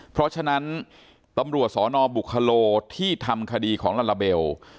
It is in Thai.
เพราะฉะนั้นตำรวจสนบุคโลที่ทำคดีของลาลาเบล